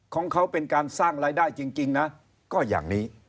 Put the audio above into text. ของเขาเป็นการสร้างรายได้จริงนะก็อย่างนี้